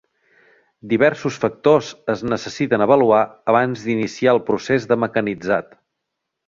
Diversos factors es necessiten avaluar abans d'iniciar el procés de mecanitzat.